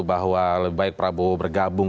bahwa lebih baik prabowo bergabung